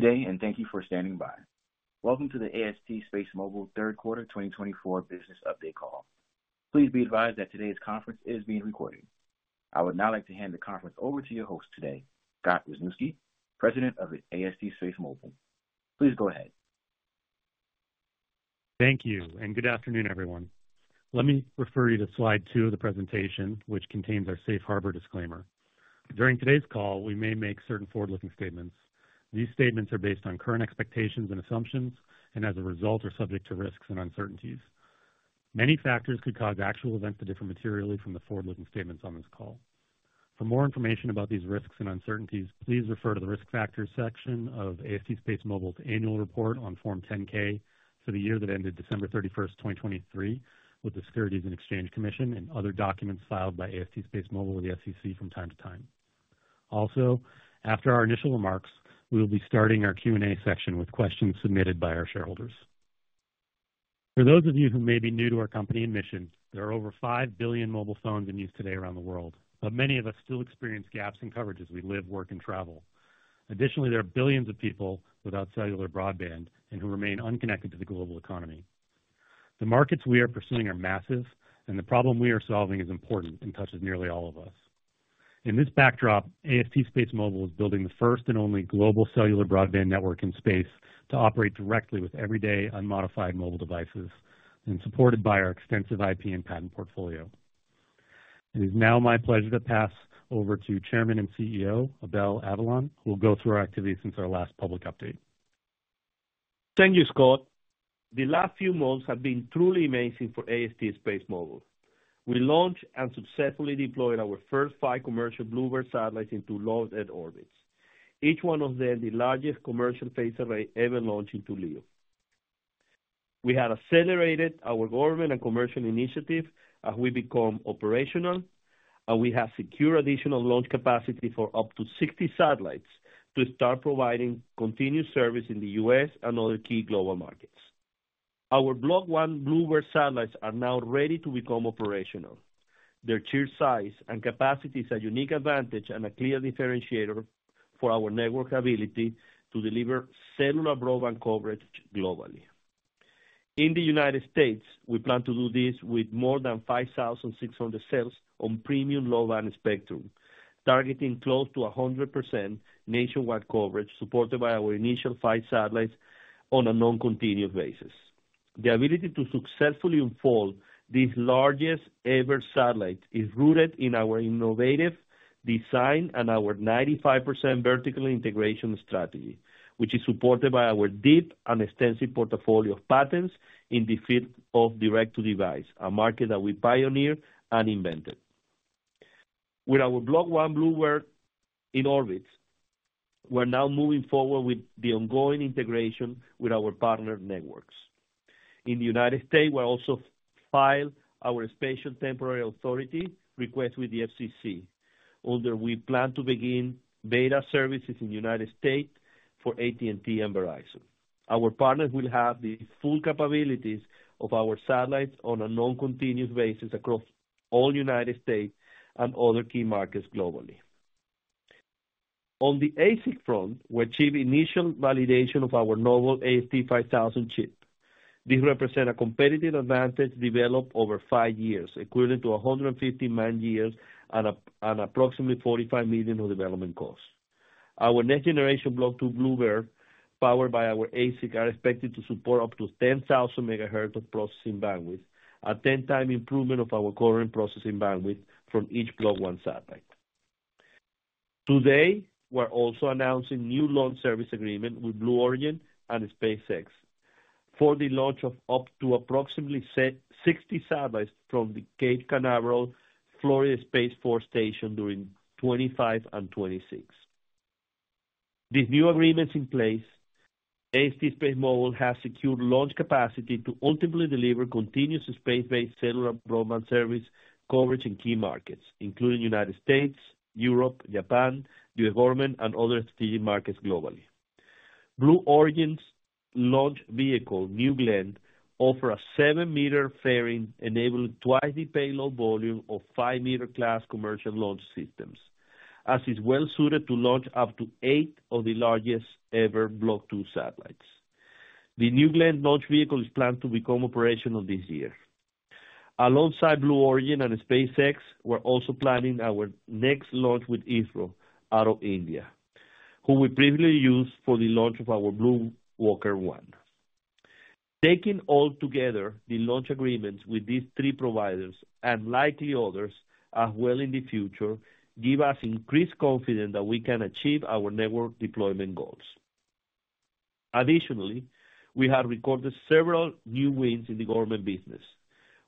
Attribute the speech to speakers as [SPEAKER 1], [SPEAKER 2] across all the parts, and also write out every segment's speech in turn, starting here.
[SPEAKER 1] Good day, and thank you for standing by. Welcome to the AST SpaceMobile Third Quarter 2024 Business Update Call. Please be advised that today's conference is being recorded. I would now like to hand the conference over to your host today, Scott Wisniewski, President of AST SpaceMobile. Please go ahead.
[SPEAKER 2] Thank you, and good afternoon, everyone. Let me refer you to slide two of the presentation, which contains our Safe Harbor disclaimer. During today's call, we may make certain forward-looking statements. These statements are based on current expectations and assumptions, and as a result, are subject to risks and uncertainties. Many factors could cause actual events to differ materially from the forward-looking statements on this call. For more information about these risks and uncertainties, please refer to the risk factors section of AST SpaceMobile's annual report on Form 10-K for the year that ended December 31st, 2023, with the Securities and Exchange Commission and other documents filed by AST SpaceMobile with the SEC from time-to-time. Also, after our initial remarks, we will be starting our Q&A section with questions submitted by our shareholders. For those of you who may be new to our company and mission, there are over five billion mobile phones in use today around the world, but many of us still experience gaps in coverage as we live, work, and travel. Additionally, there are billions of people without cellular broadband and who remain unconnected to the global economy. The markets we are pursuing are massive, and the problem we are solving is important and touches nearly all of us. In this backdrop, AST SpaceMobile is building the first and only global cellular broadband network in space to operate directly with everyday unmodified mobile devices and supported by our extensive IP and patent portfolio. It is now my pleasure to pass over to Chairman and CEO Abel Avellan, who will go through our activities since our last public update.
[SPEAKER 3] Thank you, Scott. The last few months have been truly amazing for AST SpaceMobile. We launched and successfully deployed our first five commercial BlueBird satellites into low-Earth orbits, each one of them the largest commercial phased array ever launched into LEO. We have accelerated our government and commercial initiative as we become operational, and we have secured additional launch capacity for up to 60 satellites to start providing continued service in the U.S. and other key global markets. Our Block 1 BlueBird satellites are now ready to become operational. Their sheer size and capacity is a unique advantage and a clear differentiator for our network ability to deliver cellular broadband coverage globally. In the United States, we plan to do this with more than 5,600 cells on premium low-band spectrum, targeting close to 100% nationwide coverage supported by our initial five satellites on a non-continuous basis. The ability to successfully unfold this largest ever satellite is rooted in our innovative design and our 95% vertical integration strategy, which is supported by our deep and extensive portfolio of patents in the field of Direct-to-Device, a market that we pioneered and invented. With our Block 1 BlueBird in orbit, we're now moving forward with the ongoing integration with our partner networks. In the United States, we also filed our Special Temporary Authority request with the FCC, under which we plan to begin beta services in the United States for AT&T and Verizon. Our partners will have the full capabilities of our satellites on a non-continuous basis across all United States and other key markets globally. On the ASIC front, we achieved initial validation of our novel AST5000 chip. This represents a competitive advantage developed over five years, equivalent to 150 man-years and approximately $45 million of development costs. Our next-generation Block 2 BlueBird, powered by our ASIC, is expected to support up to 10,000 MHz of processing bandwidth, a 10-time improvement of our current processing bandwidth from each Block 1 satellite. Today, we're also announcing new launch service agreements with Blue Origin and SpaceX for the launch of up to approximately 60 satellites from the Cape Canaveral, Florida, Space Force Station during 2025 and 2026. With new agreements in place, AST SpaceMobile has secured launch capacity to ultimately deliver continuous space-based cellular broadband service coverage in key markets, including the United States, Europe, Japan, the government, and other strategic markets globally. Blue Origin's launch vehicle, New Glenn, offers a 7 m fairing, enabling 2x the payload volume of five-meter-class commercial launch systems, as it's well-suited to launch up to eight of the largest-ever Block 2 satellites. The New Glenn launch vehicle is planned to become operational this year. Alongside Blue Origin and SpaceX, we're also planning our next launch with ISRO out of India, who we previously used for the launch of our BlueWalker 1. Taking all together, the launch agreements with these three providers and likely others as well in the future give us increased confidence that we can achieve our network deployment goals. Additionally, we have recorded several new wins in the government business.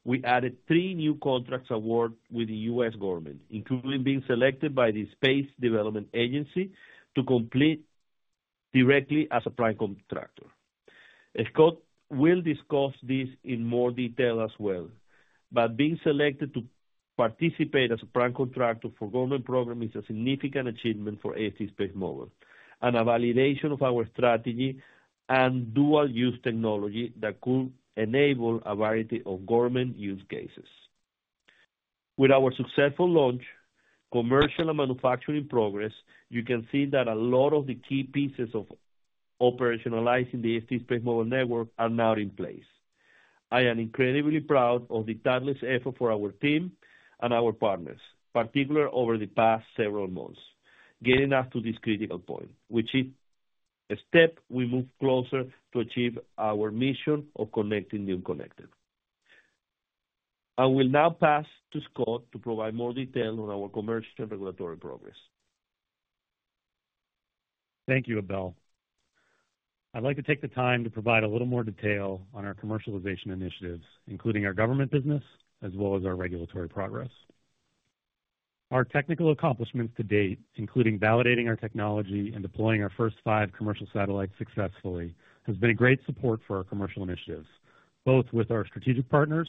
[SPEAKER 3] We added three new contracts awarded with the U.S. government, including being selected by the Space Development Agency to compete directly as a prime contractor. Scott will discuss this in more detail as well, but being selected to participate as a prime contractor for government programs is a significant achievement for AST SpaceMobile and a validation of our strategy and dual-use technology that could enable a variety of government use cases. With our successful launch, commercial and manufacturing progress, you can see that a lot of the key pieces of operationalizing the AST SpaceMobile network are now in place. I am incredibly proud of the tireless effort for our team and our partners, particularly over the past several months, getting us to this critical point, which is a step we move closer to achieve our mission of connecting the unconnected. I will now pass to Scott to provide more detail on our commercial and regulatory progress.
[SPEAKER 2] Thank you, Abel. I'd like to take the time to provide a little more detail on our commercialization initiatives, including our government business as well as our regulatory progress. Our technical accomplishments to date, including validating our technology and deploying our first five commercial satellites successfully, have been a great support for our commercial initiatives, both with our strategic partners,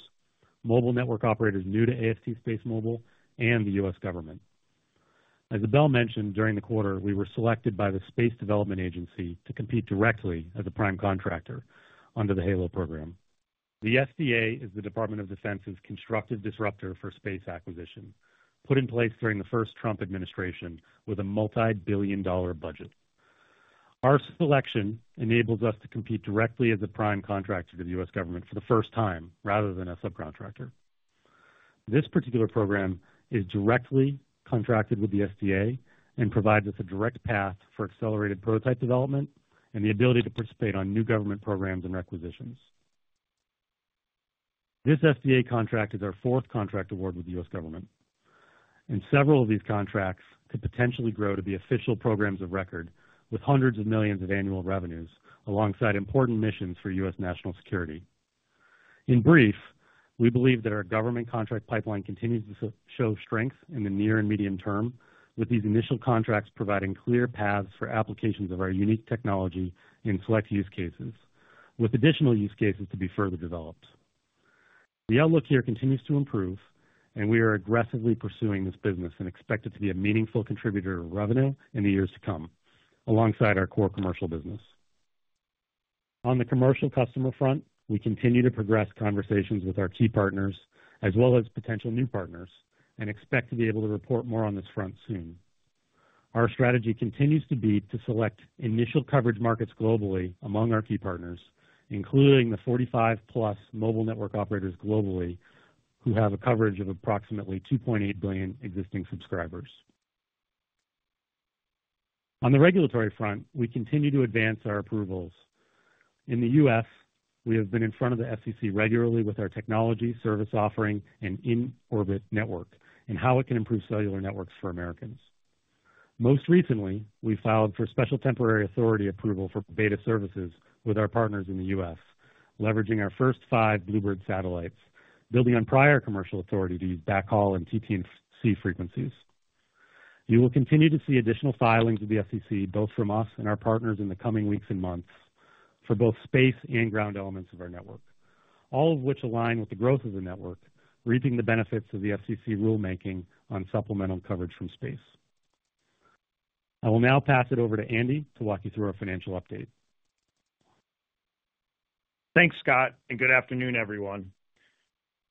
[SPEAKER 2] mobile network operators new to AST SpaceMobile, and the U.S. government. As Abel mentioned, during the quarter, we were selected by the Space Development Agency to compete directly as a prime contractor under the HALO program. The SDA is the Department of Defense's constructive disruptor for space acquisition, put in place during the first Trump administration with a multi-billion-dollar budget. Our selection enables us to compete directly as a prime contractor to the U.S. government for the first time, rather than a subcontractor. This particular program is directly contracted with the SDA and provides us a direct path for accelerated prototype development and the ability to participate on new government programs and requisitions. This SDA contract is our fourth contract award with the U.S. government, and several of these contracts could potentially grow to be official programs of record with hundreds of millions of annual revenues alongside important missions for U.S. national security. In brief, we believe that our government contract pipeline continues to show strength in the near and medium term, with these initial contracts providing clear paths for applications of our unique technology in select use cases, with additional use cases to be further developed. The outlook here continues to improve, and we are aggressively pursuing this business and expect it to be a meaningful contributor to revenue in the years to come alongside our core commercial business. On the commercial customer front, we continue to progress conversations with our key partners as well as potential new partners and expect to be able to report more on this front soon. Our strategy continues to be to select initial coverage markets globally among our key partners, including the 45+ mobile network operators globally who have a coverage of approximately 2.8 billion existing subscribers. On the regulatory front, we continue to advance our approvals. In the U.S., we have been in front of the FCC regularly with our technology service offering and in-orbit network and how it can improve cellular networks for Americans. Most recently, we filed for Special Temporary Authority approval for beta services with our partners in the U.S., leveraging our first five BlueBird satellites, building on prior commercial authority to use backhaul and TT&C frequencies. You will continue to see additional filings with the FCC, both from us and our partners, in the coming weeks and months for both space and ground elements of our network, all of which align with the growth of the network, reaping the benefits of the FCC rulemaking on supplemental coverage from space. I will now pass it over to Andy to walk you through our financial update.
[SPEAKER 4] Thanks, Scott, and good afternoon, everyone.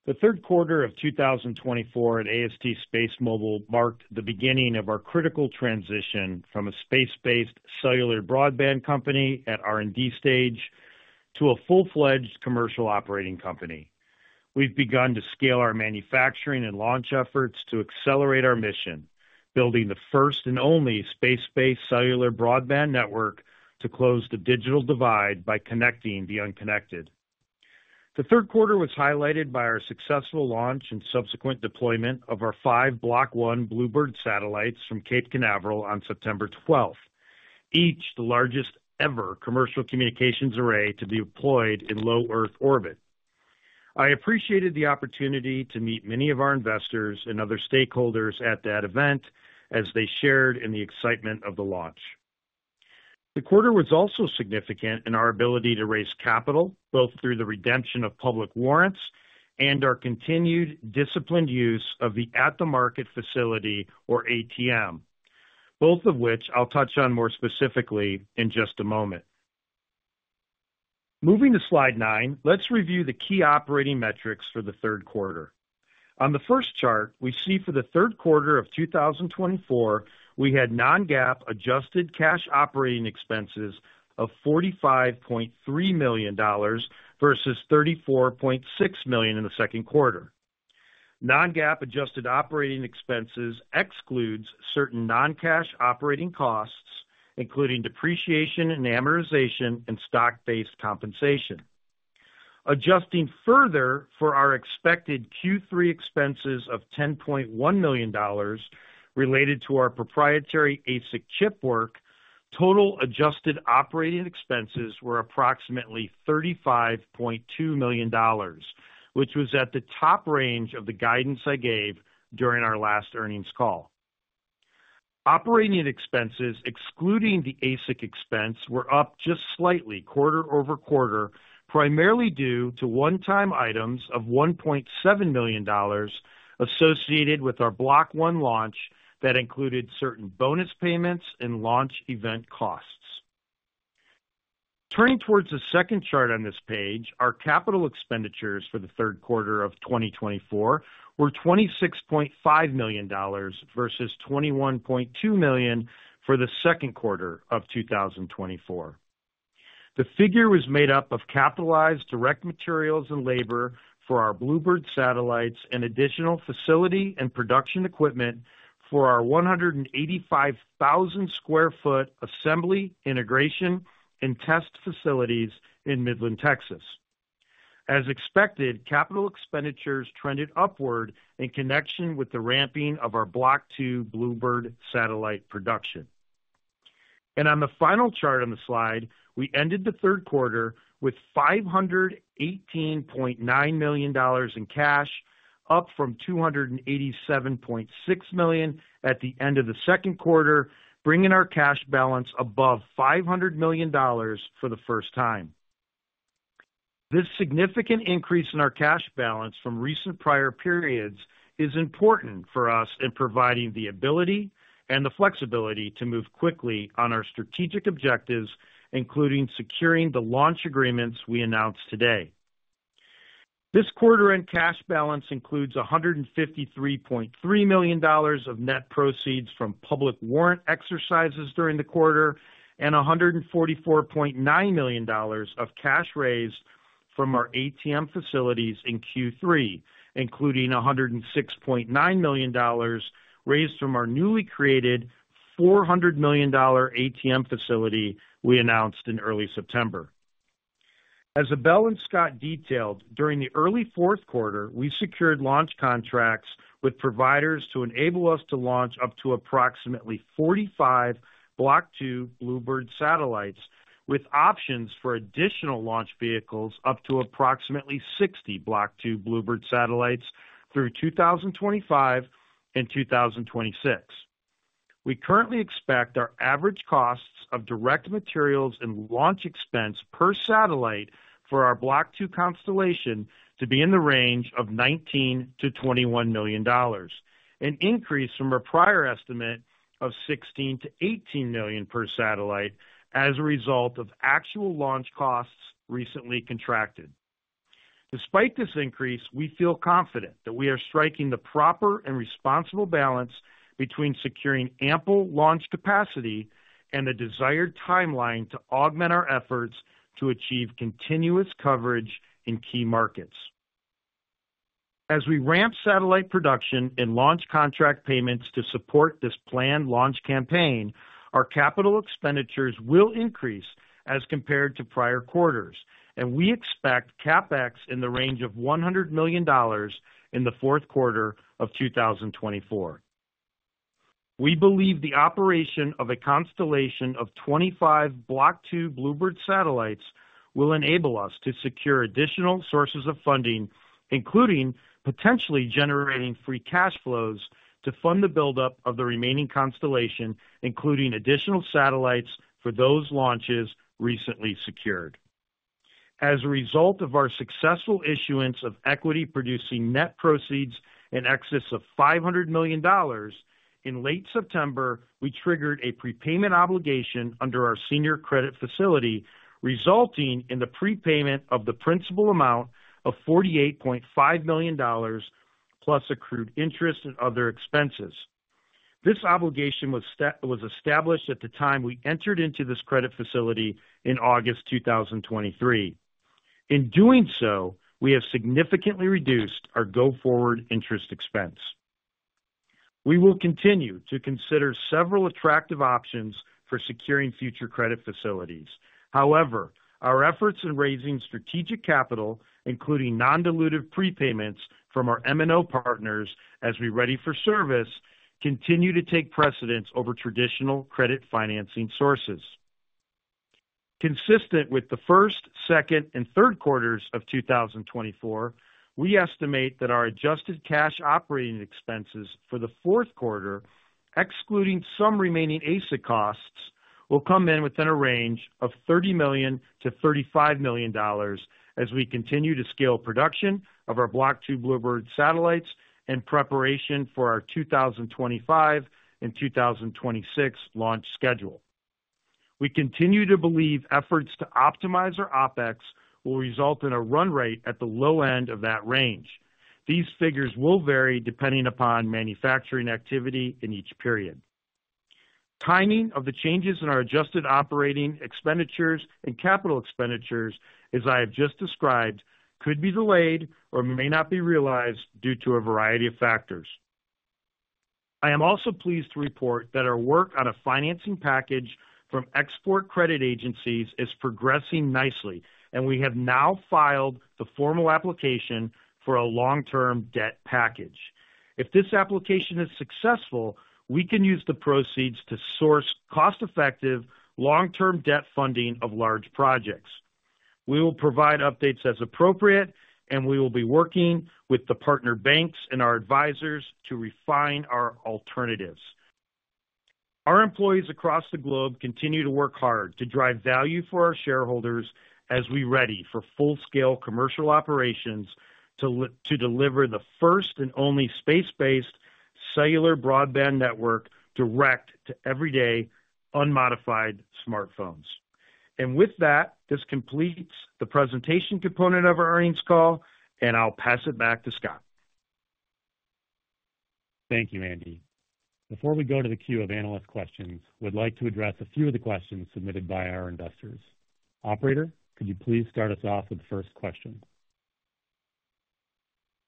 [SPEAKER 4] The third quarter of 2024 at AST SpaceMobile marked the beginning of our critical transition from a space-based cellular broadband company at R&D stage to a full-fledged commercial operating company. We've begun to scale our manufacturing and launch efforts to accelerate our mission, building the first and only space-based cellular broadband network to close the digital divide by connecting the unconnected. The third quarter was highlighted by our successful launch and subsequent deployment of our five Block 1 BlueBird satellites from Cape Canaveral on September 12, each the largest-ever commercial communications array to be deployed in low-Earth orbit. I appreciated the opportunity to meet many of our investors and other stakeholders at that event as they shared in the excitement of the launch. The quarter was also significant in our ability to raise capital, both through the redemption of public warrants and our continued disciplined use of the At-The-Market facility, or ATM, both of which I'll touch on more specifically in just a moment. Moving to slide nine, let's review the key operating metrics for the third quarter. On the first chart, we see for the third quarter of 2024, we had non-GAAP adjusted cash operating expenses of $45.3 million versus $34.6 million in the second quarter. Non-GAAP adjusted operating expenses excludes certain non-cash operating costs, including depreciation and amortization and stock-based compensation. Adjusting further for our expected Q3 expenses of $10.1 million related to our proprietary ASIC chip work, total adjusted operating expenses were approximately $35.2 million, which was at the top range of the guidance I gave during our last earnings call. Operating expenses, excluding the ASIC expense, were up just slightly quarter over quarter, primarily due to one-time items of $1.7 million associated with our Block 1 launch that included certain bonus payments and launch event costs. Turning towards the second chart on this page, our capital expenditures for the third quarter of 2024 were $26.5 million versus $21.2 million for the second quarter of 2024. The figure was made up of capitalized direct materials and labor for our BlueBird satellites and additional facility and production equipment for our 185,000 sq ft assembly, integration, and test facilities in Midland, Texas. As expected, capital expenditures trended upward in connection with the ramping of our Block 2 BlueBird satellite production. On the final chart on the slide, we ended the third quarter with $518.9 million in cash, up from $287.6 million at the end of the second quarter, bringing our cash balance above $500 million for the first time. This significant increase in our cash balance from recent prior periods is important for us in providing the ability and the flexibility to move quickly on our strategic objectives, including securing the launch agreements we announced today. This quarter-end cash balance includes $153.3 million of net proceeds from public warrant exercises during the quarter and $144.9 million of cash raised from our ATM facilities in Q3, including $106.9 million raised from our newly created $400 million ATM facility we announced in early September. As Abel and Scott detailed, during the early fourth quarter, we secured launch contracts with providers to enable us to launch up to approximately 45 Block 2 BlueBird satellites, with options for additional launch vehicles up to approximately 60 Block 2 BlueBird satellites through 2025 and 2026. We currently expect our average costs of direct materials and launch expense per satellite for our Block 2 constellation to be in the range of $19 million-$21 million, an increase from our prior estimate of $16 million-$18 million per satellite as a result of actual launch costs recently contracted. Despite this increase, we feel confident that we are striking the proper and responsible balance between securing ample launch capacity and the desired timeline to augment our efforts to achieve continuous coverage in key markets. As we ramp satellite production and launch contract payments to support this planned launch campaign, our capital expenditures will increase as compared to prior quarters, and we expect CapEx in the range of $100 million in the fourth quarter of 2024. We believe the operation of a constellation of 25 Block 2 BlueBird satellites will enable us to secure additional sources of funding, including potentially generating free cash flows to fund the buildup of the remaining constellation, including additional satellites for those launches recently secured. As a result of our successful issuance of equity-producing net proceeds in excess of $500 million, in late September, we triggered a prepayment obligation under our senior credit facility, resulting in the prepayment of the principal amount of $48.5 million, plus accrued interest and other expenses. This obligation was established at the time we entered into this credit facility in August 2023. In doing so, we have significantly reduced our go-forward interest expense. We will continue to consider several attractive options for securing future credit facilities. However, our efforts in raising strategic capital, including non-dilutive prepayments from our MNO partners as we ready for service, continue to take precedence over traditional credit financing sources. Consistent with the first, second, and third quarters of 2024, we estimate that our adjusted cash operating expenses for the fourth quarter, excluding some remaining ASIC costs, will come in within a range of $30 million-$35 million as we continue to scale production of our Block 2 BlueBird satellites and preparation for our 2025 and 2026 launch schedule. We continue to believe efforts to optimize our OpEx will result in a run rate at the low end of that range. These figures will vary depending upon manufacturing activity in each period. Timing of the changes in our adjusted operating expenditures and capital expenditures, as I have just described, could be delayed or may not be realized due to a variety of factors. I am also pleased to report that our work on a financing package from export credit agencies is progressing nicely, and we have now filed the formal application for a long-term debt package. If this application is successful, we can use the proceeds to source cost-effective long-term debt funding of large projects. We will provide updates as appropriate, and we will be working with the partner banks and our advisors to refine our alternatives. Our employees across the globe continue to work hard to drive value for our shareholders as we ready for full-scale commercial operations to deliver the first and only space-based cellular broadband network direct to everyday unmodified smartphones. With that, this completes the presentation component of our earnings call, and I'll pass it back to Scott.
[SPEAKER 2] Thank you, Andy. Before we go to the queue of analyst questions, we'd like to address a few of the questions submitted by our investors. Operator, could you please start us off with the first question?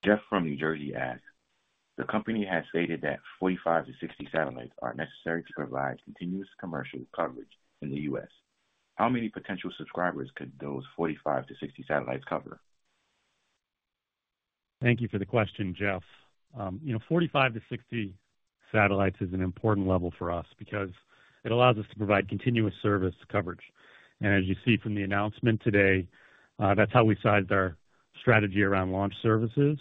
[SPEAKER 1] Jeff from New Jersey asked, "The company has stated that 45-60 satellites are necessary to provide continuous commercial coverage in the U.S. How many potential subscribers could those 45 -60 satellites cover?
[SPEAKER 2] Thank you for the question, Jeff. You know, 45-60 satellites is an important level for us because it allows us to provide continuous service coverage. As you see from the announcement today, that's how we sized our strategy around launch services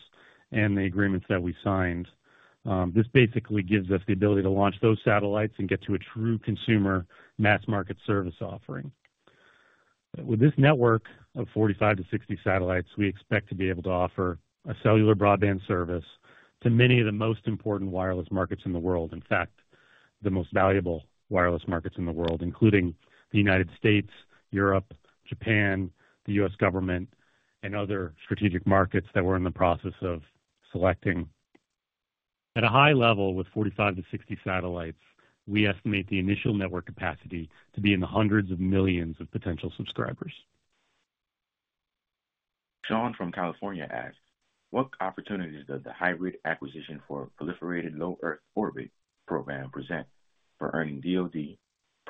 [SPEAKER 2] and the agreements that we signed. This basically gives us the ability to launch those satellites and get to a true consumer mass-market service offering. With this network of 45-60 satellites, we expect to be able to offer a cellular broadband service to many of the most important wireless markets in the world, in fact, the most valuable wireless markets in the world, including the United States, Europe, Japan, the U.S. government, and other strategic markets that we're in the process of selecting. At a high level, with 45-60 satellites, we estimate the initial network capacity to be in the hundreds of millions of potential subscribers.
[SPEAKER 1] Sean from California asked, "What opportunities does the Hybrid Acquisition for a Proliferated Low Earth Orbit program present for earning DoD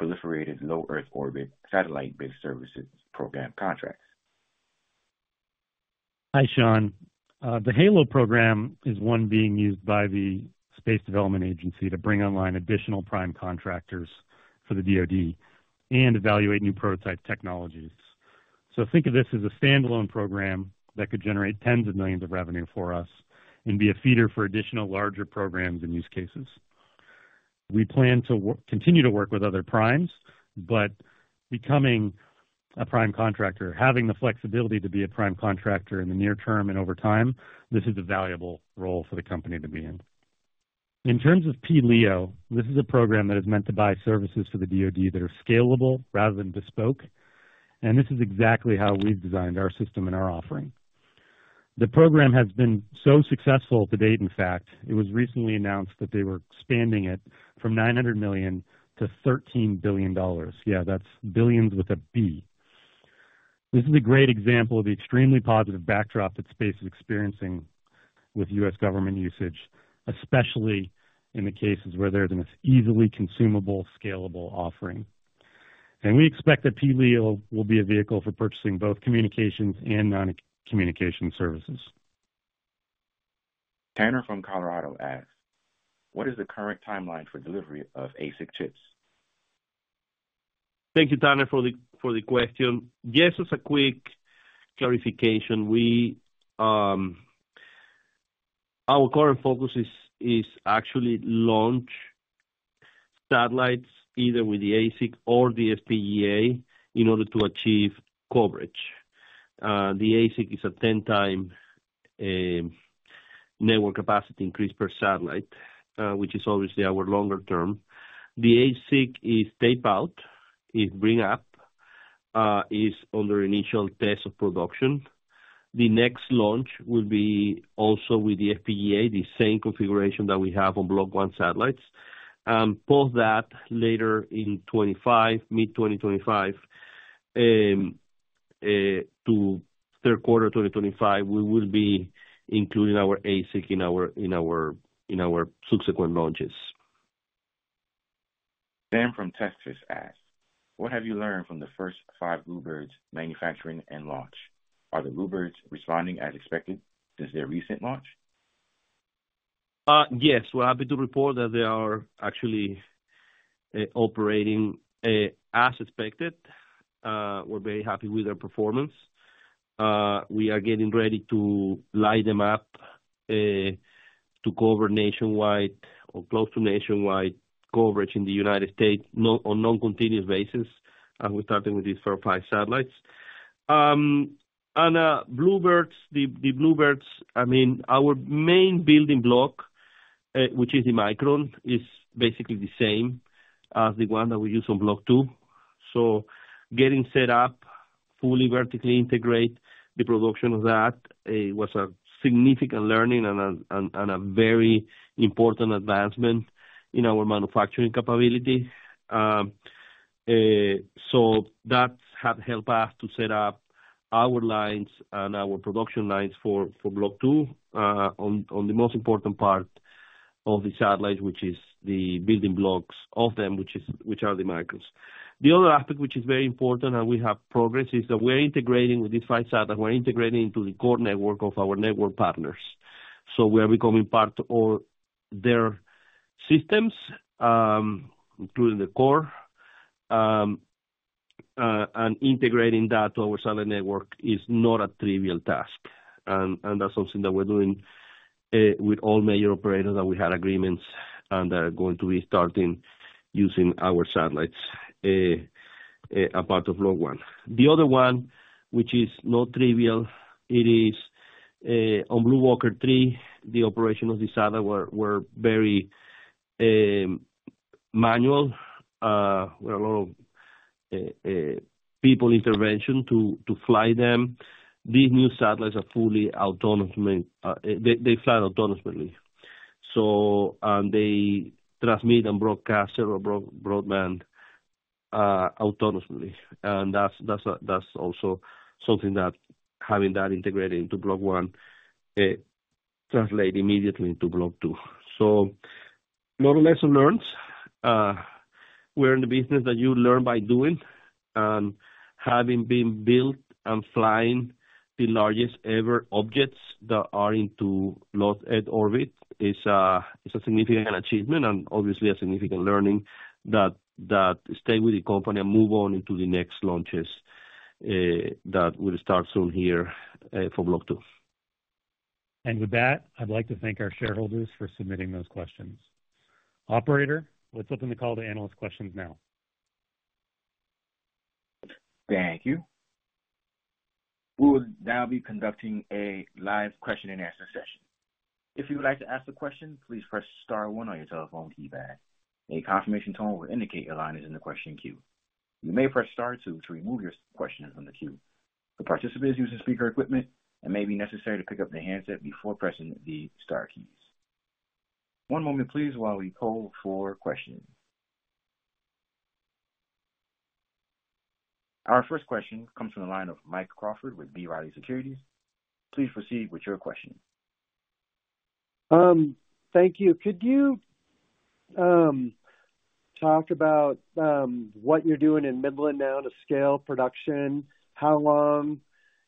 [SPEAKER 1] proliferated low Earth orbit satellite-based services program contracts?
[SPEAKER 2] Hi, Sean. The HALO program is one being used by the Space Development Agency to bring online additional prime contractors for the DoD and evaluate new prototype technologies. So think of this as a standalone program that could generate tens of millions of revenue for us and be a feeder for additional larger programs and use cases. We plan to continue to work with other primes, but becoming a prime contractor, having the flexibility to be a prime contractor in the near term and over time, this is a valuable role for the company to be in. In terms of pLEO, this is a program that is meant to buy services for the DoD that are scalable rather than bespoke, and this is exactly how we've designed our system and our offering. The program has been so successful to date. In fact, it was recently announced that they were expanding it from $900 million to $13 billion. Yeah, that's billions with a B. This is a great example of the extremely positive backdrop that space is experiencing with U.S. government usage, especially in the cases where there's an easily consumable, scalable offering, and we expect that pLEO will be a vehicle for purchasing both communications and non-communication services.
[SPEAKER 1] Tanner from Colorado asked, "What is the current timeline for delivery of ASIC chips?
[SPEAKER 3] Thank you, Tanner, for the question. Yes, just a quick clarification. Our current focus is actually launch satellites either with the ASIC or the FPGA in order to achieve coverage. The ASIC is a 10-time network capacity increase per satellite, which is obviously our longer term. The ASIC is tape-out; its bring-up is under initial test of production. The next launch will be also with the FPGA, the same configuration that we have on Block 1 satellites. Post that, later in 2025, mid-2025, to third quarter of 2025, we will be including our ASIC in our subsequent launches.
[SPEAKER 1] Sam from Texas asked, "What have you learned from the first five BlueBirds manufacturing and launch? Are the BlueBirds responding as expected since their recent launch?
[SPEAKER 3] Yes, we're happy to report that they are actually operating as expected. We're very happy with their performance. We are getting ready to line them up to cover nationwide or close to nationwide coverage in the United States on a non-continuous basis. We're starting with these first five satellites, and BlueBirds, the BlueBirds, I mean, our main building block, which is the Micron, is basically the same as the one that we use on Block 2, so getting set up fully vertically integrate the production of that was a significant learning and a very important advancement in our manufacturing capability. So that helped us to set up our lines and our production lines for Block 2 on the most important part of the satellites, which is the building blocks of them, which are the Microns. The other aspect, which is very important and we have progress, is that we're integrating with these five satellites. We're integrating into the core network of our network partners. So we are becoming part of their systems, including the core, and integrating that to our satellite network is not a trivial task, and that's something that we're doing with all major operators that we had agreements and that are going to be starting using our satellites as part of Block 1. The other one, which is not trivial, it is on BlueWalker 3, the operation of these satellites were very manual. We had a lot of people intervention to fly them. These new satellites are fully autonomous. They fly autonomously. So they transmit and broadcast satellite broadband autonomously. And that's also something that having that integrated into Block 1 translates immediately into Block 2. So a lot of lessons learned. We're in the business that you learn by doing. And having been built and flying the largest ever objects that are in low Earth orbit is a significant achievement and obviously a significant learning that stay with the company and move on into the next launches that will start soon here for Block 2.
[SPEAKER 2] With that, I'd like to thank our shareholders for submitting those questions. Operator, let's open the call to analyst questions now.
[SPEAKER 1] Thank you. We will now be conducting a live question-and-answer session. If you would like to ask a question, please press star one on your telephone keypad. A confirmation tone will indicate your line is in the question queue. You may press star two to remove your questions from the queue. The participants use speaker equipment and it may be necessary to pick up their handset before pressing the star keys. One moment, please, while we poll for questions. Our first question comes from the line of Mike Crawford with B. Riley Securities. Please proceed with your question.
[SPEAKER 5] Thank you. Could you talk about what you're doing in Midland now to scale production? How long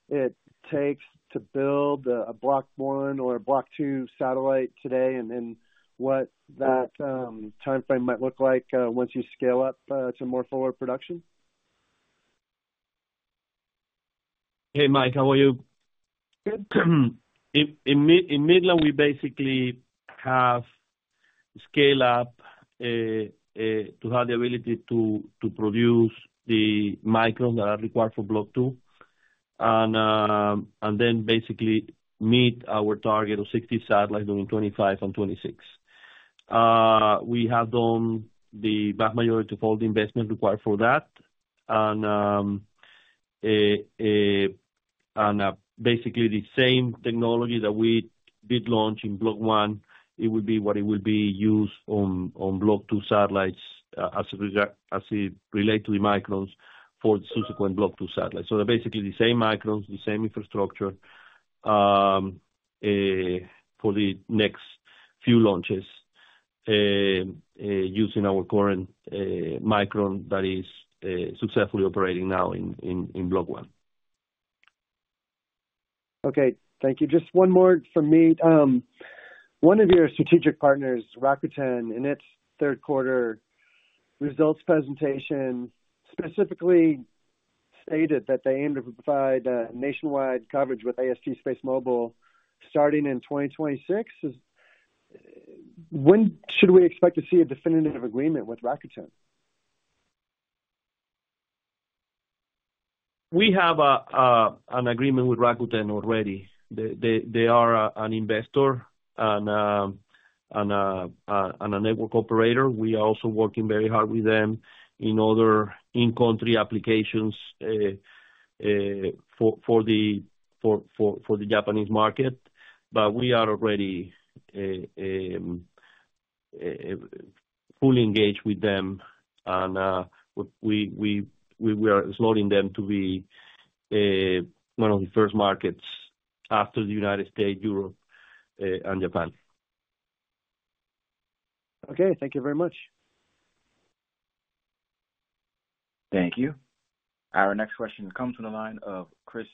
[SPEAKER 5] it takes to build a Block 1 or a Block 2 satellite today and then what that timeframe might look like once you scale up to more forward production?
[SPEAKER 3] Hey, Mike, how are you?
[SPEAKER 5] Good.
[SPEAKER 3] In Midland, we basically have scale-up to have the ability to produce the Microns that are required for Block 2 and then basically meet our target of 60 satellites during 2025 and 2026. We have done the vast majority of all the investment required for that, and basically, the same technology that we did launch in Block 1; it will be what it will be used on Block 2 satellites as it relates to the Microns for the subsequent Block 2 satellites, so they're basically the same Microns, the same infrastructure for the next few launches using our current Micron that is successfully operating now in Block 1.
[SPEAKER 5] Okay. Thank you. Just one more from me. One of your strategic partners, Rakuten, in its third quarter results presentation specifically stated that they aim to provide nationwide coverage with AST SpaceMobile starting in 2026. When should we expect to see a definitive agreement with Rakuten?
[SPEAKER 3] We have an agreement with Rakuten already. They are an investor and a network operator. We are also working very hard with them in other in-country applications for the Japanese market, but we are already fully engaged with them, and we are slotting them to be one of the first markets after the United States, Europe, and Japan.
[SPEAKER 5] Okay. Thank you very much.
[SPEAKER 1] Thank you. Our next question comes from the line of Chris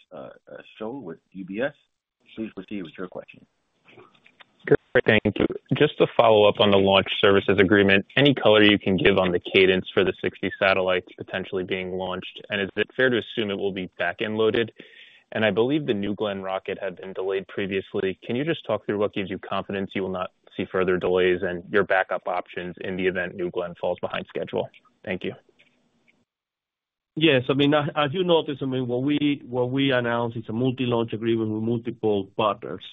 [SPEAKER 1] Stewart with UBS. Please proceed with your question.
[SPEAKER 6] Thank you. Just to follow up on the launch services agreement, any color you can give on the cadence for the 60 satellites potentially being launched? And is it fair to assume it will be back-end loaded? And I believe the New Glenn rocket had been delayed previously. Can you just talk through what gives you confidence you will not see further delays and your backup options in the event New Glenn falls behind schedule? Thank you.
[SPEAKER 3] Yes. I mean, as you noticed, I mean, what we announced is a multi-launch agreement with multiple partners,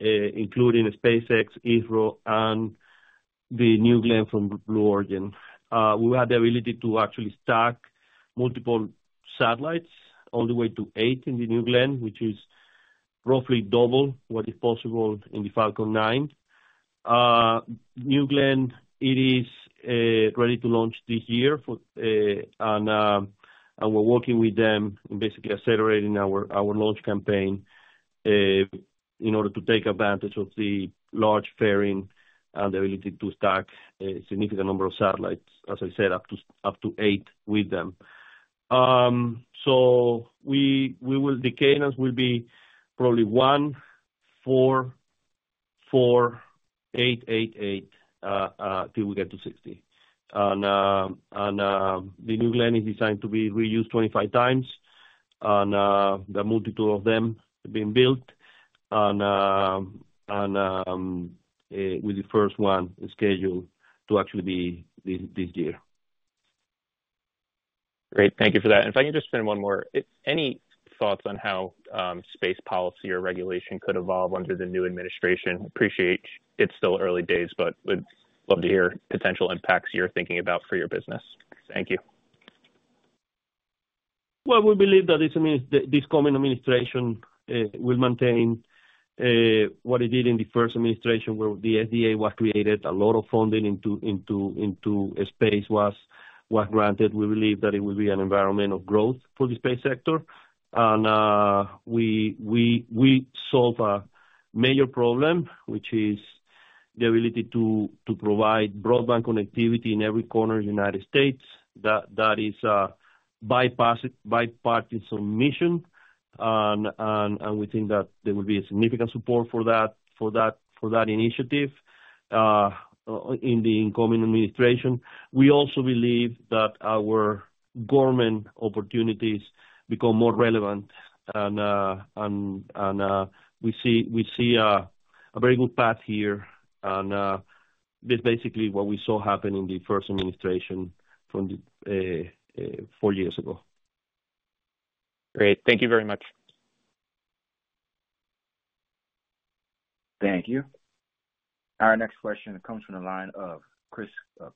[SPEAKER 3] including SpaceX, ISRO, and the New Glenn from Blue Origin. We have the ability to actually stack multiple satellites all the way to eight in the New Glenn, which is roughly double what is possible in the Falcon 9. New Glenn, it is ready to launch this year, and we're working with them and basically accelerating our launch campaign in order to take advantage of the large fairing and the ability to stack a significant number of satellites, as I said, up to eight with them. So the cadence will be probably one, four, four, eight, eight, eight till we get to 60. The New Glenn is designed to be reused 25x, and multiples of them have been built, and with the first one scheduled to actually be this year.
[SPEAKER 6] Great. Thank you for that. If I can just spin one more. Any thoughts on how space policy or regulation could evolve under the new administration? Appreciate it's still early days, but would love to hear potential impacts you're thinking about for your business. Thank you.
[SPEAKER 3] We believe that this coming administration will maintain what it did in the first administration where the SDA was created. A lot of funding into space was granted. We believe that it will be an environment of growth for the space sector, and we solve a major problem, which is the ability to provide broadband connectivity in every corner of the United States. That is a bipartisan mission, and we think that there will be a significant support for that initiative in the incoming administration. We also believe that our government opportunities become more relevant, and we see a very good path here, and this is basically what we saw happen in the first administration from four years ago.
[SPEAKER 6] Great. Thank you very much.
[SPEAKER 1] Thank you. Our next question comes from the line of Chris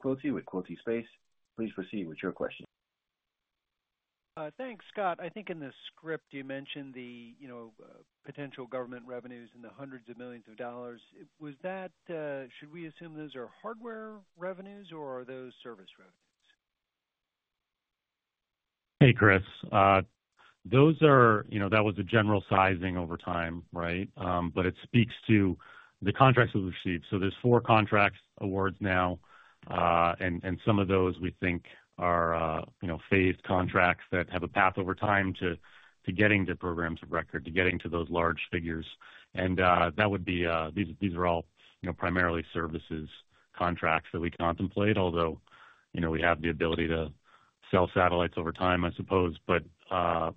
[SPEAKER 1] Quilty with Quilty Space. Please proceed with your question.
[SPEAKER 7] Thanks, Scott. I think in the script you mentioned the potential government revenues in the hundreds of millions of dollars. Should we assume those are hardware revenues, or are those service revenues?
[SPEAKER 2] Hey, Chris. Those are, that was a general sizing over time, right? But it speaks to the contracts we've received. So there's four contract awards now, and some of those we think are phased contracts that have a path over time to getting to programs of record, to getting to those large figures. And that would be, these are all primarily services contracts that we contemplate, although we have the ability to sell satellites over time, I suppose. But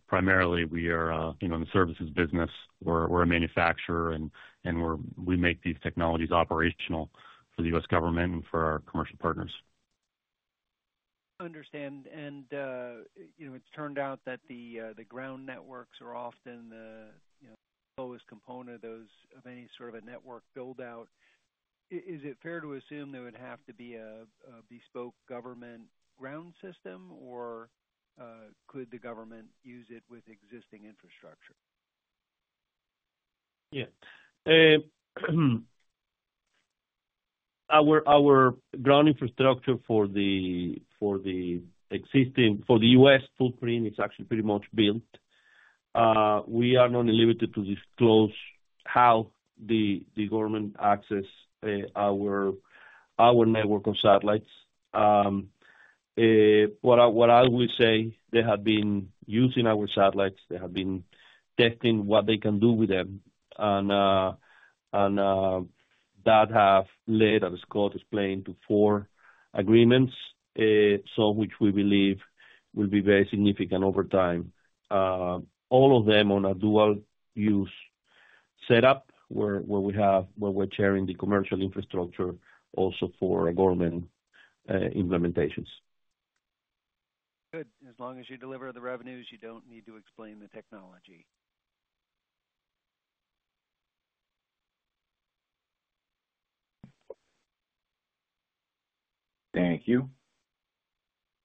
[SPEAKER 2] primarily, we are in the services business. We're a manufacturer, and we make these technologies operational for the U.S. Government and for our commercial partners.
[SPEAKER 7] Understand. And it's turned out that the ground networks are often the lowest component of any sort of a network buildout. Is it fair to assume there would have to be a bespoke government ground system, or could the government use it with existing infrastructure?
[SPEAKER 3] Yeah. Our ground infrastructure for the existing—for the U.S. footprint, it's actually pretty much built. We are not at liberty to disclose how the government accesses our network of satellites. What I will say, they have been using our satellites. They have been testing what they can do with them. And that has led, as Scott explained, to four agreements, some of which we believe will be very significant over time. All of them on a dual-use setup where we're sharing the commercial infrastructure also for government implementations.
[SPEAKER 7] Good. As long as you deliver the revenues, you don't need to explain the technology.
[SPEAKER 1] Thank you.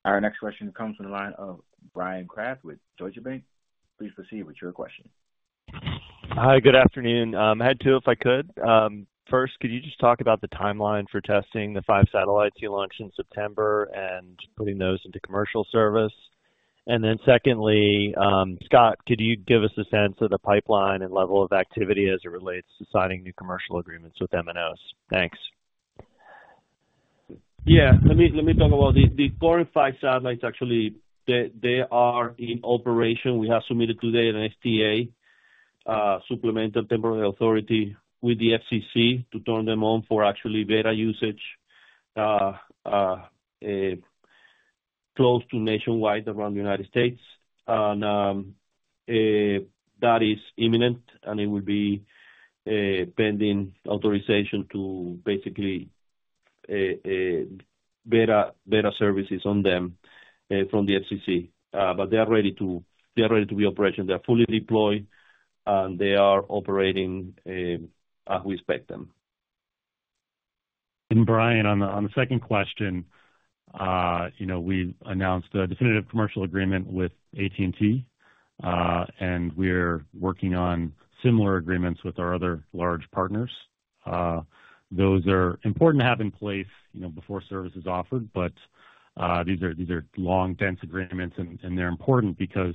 [SPEAKER 1] Our next question comes from the line of Bryan Kraft with Deutsche Bank. Please proceed with your question.
[SPEAKER 8] Hi. Good afternoon. I had two if I could. First, could you just talk about the timeline for testing the five satellites you launched in September and putting those into commercial service? And then secondly, Scott, could you give us a sense of the pipeline and level of activity as it relates to signing new commercial agreements with MNOs? Thanks.
[SPEAKER 3] Yeah. Let me talk about this. These four and five satellites, actually, they are in operation. We have submitted today an STA, Special Temporary Authority, with the FCC to turn them on for actually beta usage close to nationwide around the United States, and that is imminent, and it will be pending authorization to basically beta services on them from the FCC, but they are ready to be operational. They are fully deployed, and they are operating as we expect them.
[SPEAKER 2] And Bryan, on the second question, we announced a definitive commercial agreement with AT&T, and we're working on similar agreements with our other large partners. Those are important to have in place before service is offered, but these are long, dense agreements, and they're important because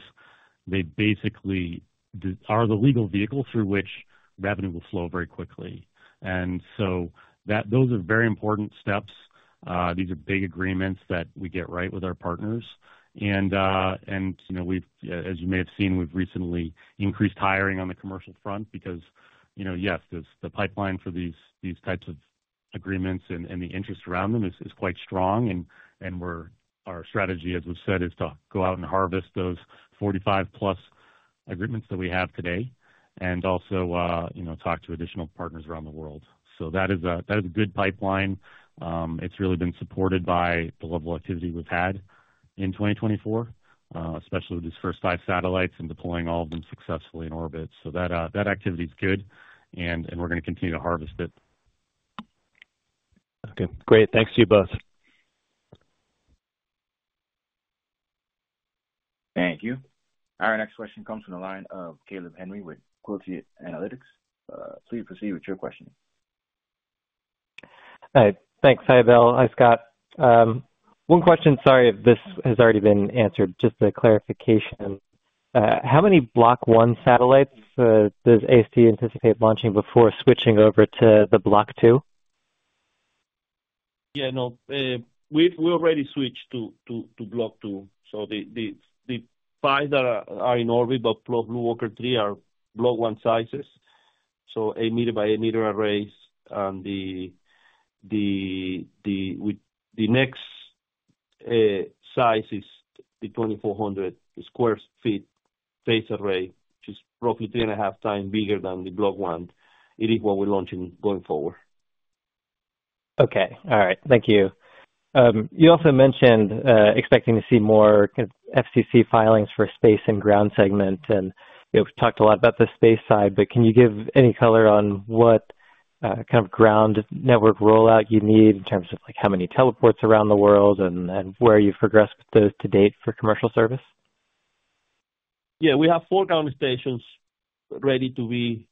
[SPEAKER 2] they basically are the legal vehicle through which revenue will flow very quickly. And so those are very important steps. These are big agreements that we get right with our partners. And as you may have seen, we've recently increased hiring on the commercial front because, yes, the pipeline for these types of agreements and the interest around them is quite strong. And our strategy, as we've said, is to go out and harvest those 45+ agreements that we have today and also talk to additional partners around the world. So that is a good pipeline. It's really been supported by the level of activity we've had in 2024, especially with these first five satellites and deploying all of them successfully in orbit. So that activity is good, and we're going to continue to harvest it.
[SPEAKER 8] Okay. Great. Thanks to you both.
[SPEAKER 1] Thank you. Our next question comes from the line of Caleb Henry with Quilty Analytics. Please proceed with your question.
[SPEAKER 9] Hi. Thanks, Abel. Hi, Scott. One question, sorry if this has already been answered. Just a clarification. How many Block 1 satellites does AST anticipate launching before switching over to the Block 2?
[SPEAKER 3] Yeah. No, we already switched to Block 2. So the five that are in orbit but BlueWalker 3 are Block 1 sizes, so 8 m by 8 m arrays. And the next size is the 2,400 sq ft space array, which is roughly three and a half times bigger than the Block 1. It is what we're launching going forward.
[SPEAKER 9] Okay. All right. Thank you. You also mentioned expecting to see more FCC filings for space and ground segment. And we've talked a lot about the space side, but can you give any color on what kind of ground network rollout you need in terms of how many teleports around the world and where you've progressed to date for commercial service?
[SPEAKER 3] Yeah. We have four ground stations ready to be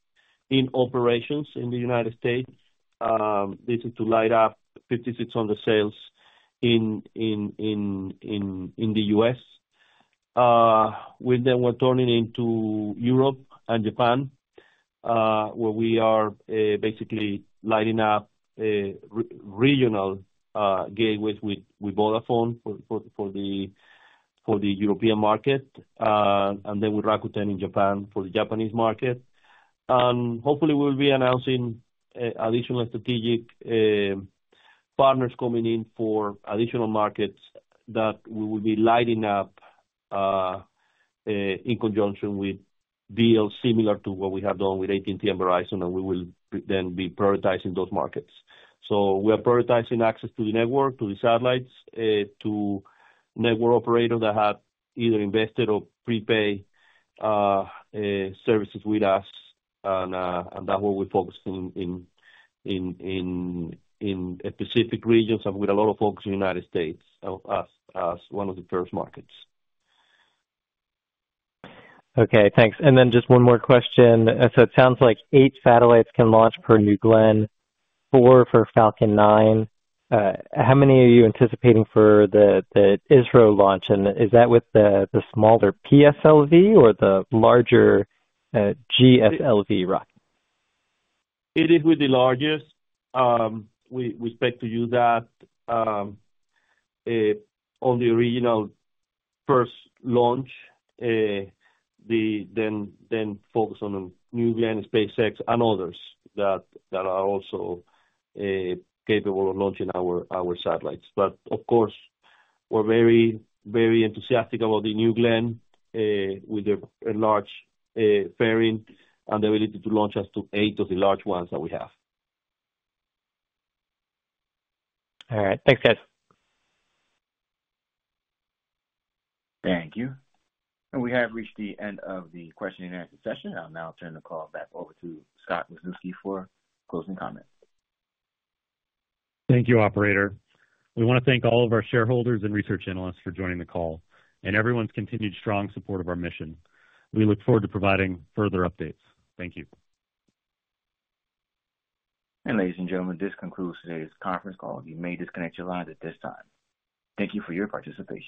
[SPEAKER 3] in operations in the United States. This is to light up 5,600 cells in the U.S. We then were turning into Europe and Japan, where we are basically lighting up regional gateways with Vodafone for the European market, and then with Rakuten in Japan for the Japanese market. And hopefully, we'll be announcing additional strategic partners coming in for additional markets that we will be lighting up in conjunction with deals similar to what we have done with AT&T and Verizon, and we will then be prioritizing those markets. So we are prioritizing access to the network, to the satellites, to network operators that have either invested or prepaid services with us. And that's what we're focusing on in specific regions and with a lot of folks in the United States as one of the first markets.
[SPEAKER 9] Okay. Thanks. And then just one more question. So it sounds like eight satellites can launch per New Glenn, four for Falcon 9. How many are you anticipating for the ISRO launch? And is that with the smaller PSLV or the larger GSLV rocket?
[SPEAKER 3] It is with the largest. We expect to use that on the original first launch, then focus on New Glenn, SpaceX, and others that are also capable of launching our satellites. But of course, we're very, very enthusiastic about the New Glenn with the large fairing and the ability to launch up to eight of the large ones that we have.
[SPEAKER 9] All right. Thanks, guys.
[SPEAKER 1] Thank you. And we have reached the end of the question-and-answer session. I'll now turn the call back over to Scott Wisniewski for closing comments.
[SPEAKER 2] Thank you, Operator. We want to thank all of our shareholders and research analysts for joining the call and everyone's continued strong support of our mission. We look forward to providing further updates. Thank you.
[SPEAKER 1] And ladies and gentlemen, this concludes today's conference call. You may disconnect your lines at this time. Thank you for your participation.